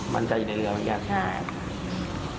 มั่นใจอยู่ในเรือใช่